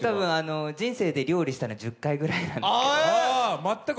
人生で料理したのは１０回くらいなんで。